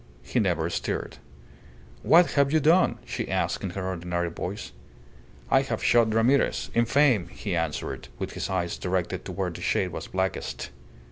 He never stirred. "What have you done?" she asked, in her ordinary voice. "I have shot Ramirez infame!" he answered, with his eyes directed to where the shade was blackest.